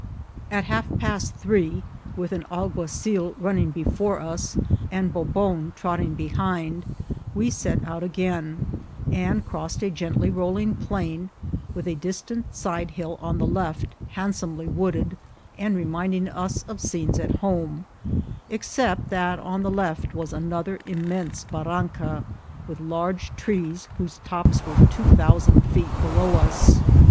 At half past three, with an alguazil running before us and Bobon trotting behind, we set out again, and crossed a gently rolling plain, with a distant side hill on the left, handsomely wooded, and reminding us of scenes at home, except that on the left was another .immense barranca, with large trees, whose tops were two thousand feet below us.